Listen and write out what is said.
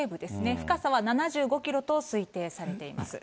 深さは７５キロと推定されています。